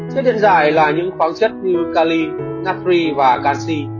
chất dân dài là những khoáng chất như cali natri và cali